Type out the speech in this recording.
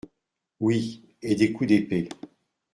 Oui, et des coups d’épée…